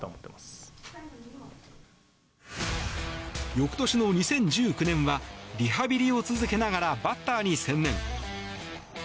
翌年の２０１９年はリハビリを続けながらバッターに専念。